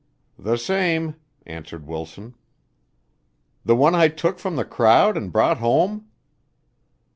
"The same," answered Wilson. "The one I took from the crowd and brought home?"